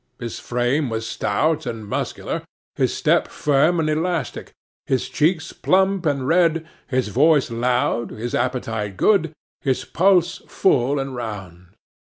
His frame was stout and muscular, his step firm and elastic, his cheeks plump and red, his voice loud, his appetite good, his pulse full and round.